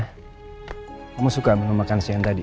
kamu suka makan siang tadi